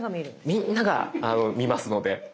みんなが見ますので。